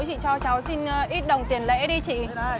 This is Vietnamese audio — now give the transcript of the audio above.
chị cho cháu xin ít đồng tiền lễ đi chị